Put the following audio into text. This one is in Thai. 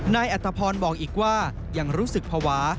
นายอัตภพรบอกอีกว่ายังรู้สึกภาวะ